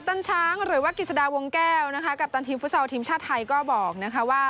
ตันช้างหรือว่ากิจดาวงแก้วกัปตันทีมฟุตเซาท์ทีมชาติไทยก็บอกว่า